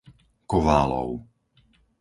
Koválov